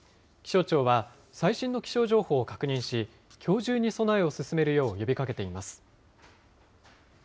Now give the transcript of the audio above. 気象庁は最新の気象情報を確認し、きょう中に備えを進めるよう呼びかけています。